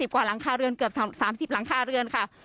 กว่าหลังคาเรือนเกือบ๓๐หลังคาเรือนค่ะ